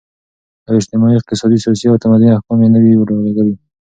او اجتماعي، اقتصادي ، سياسي او تمدني احكام ئي نوي راليږلي